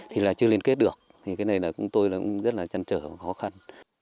thì là chưa liên kết được thì cái này là chúng tôi cũng rất là chăn trở khó khăn